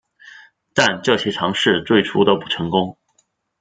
但这些尝试最初都不成功。